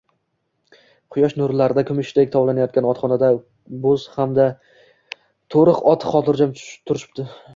Quyosh nurlarida kumushdek tovlanayotgan otxonada bo`z hamda to`riq ot xotirjam turishibdi